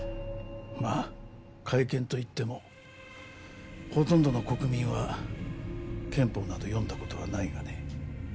まあ改憲といってもほとんどの国民は憲法など読んだ事はないがね。